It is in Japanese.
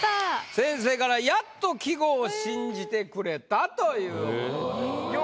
先生から「やっと季語を信じてくれた！」というお言葉でございます。